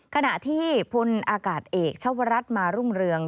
ขณะที่พลอากาศเอกชวรัฐมารุ่งเรือง